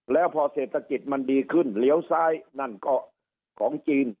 แล้วพอเศรษฐกิจมันดีขึ้นเหลียวซ้ายนั่นก็ของจีน